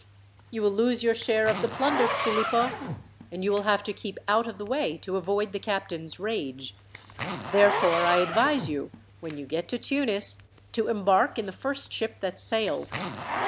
"You will lose your share of the plunder, Philippo, and you will have to keep out of the way to avoid the captain's rage. Therefore I advise you, when you get to Tunis, to embark in the first ship that sails.